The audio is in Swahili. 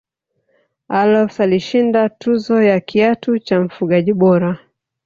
allofs alishinda tuzo ya kiatu cha mfungaji bora